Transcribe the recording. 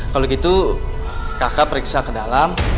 kalau gitu kakak periksa ke dalam